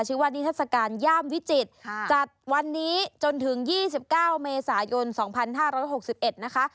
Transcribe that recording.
ว่านิทัศกาลย่ามวิจิตรจัดวันนี้จนถึง๒๙เมษายน๒๕๖๑นะคะ